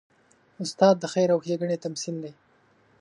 استاد د خیر او ښېګڼې تمثیل دی.